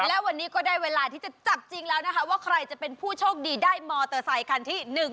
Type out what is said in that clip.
แล้ววันนี้ต้องได้แล้วใครจะเป็นผู้โชภูษาดีใครเป็นมอเตอร์ไซคันที่๑๐๒